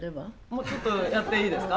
もうちょっとやっていいですか？